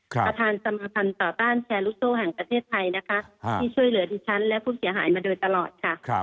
ประธานสมภัณฑ์ต่อต้านแชร์ลูกโซ่แห่งประเทศไทยนะคะที่ช่วยเหลือดิฉันและผู้เสียหายมาโดยตลอดค่ะ